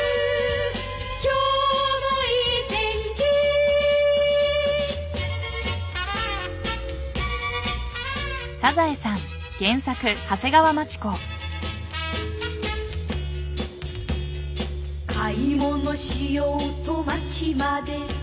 「今日もいい天気」「買い物しようと街まで」